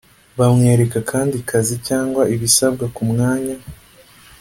bamwereke akandi kazi cyangwa ibisabwa ku mwanya